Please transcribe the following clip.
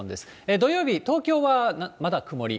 土曜日、東京はまだ曇り。